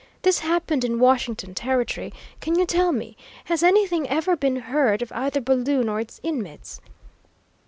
This happened in Washington Territory. Can you tell me has anything ever been heard of either balloon or its inmates?"